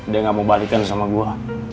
dia gak mau balikan sama gue